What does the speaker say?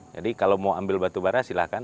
jadi kalau mau ambil batubara silakan